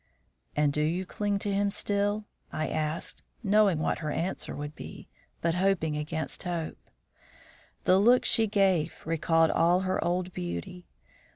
"And you do cling to him still?" I asked, knowing what her answer would be, but hoping against hope. The look she gave recalled all her old beauty.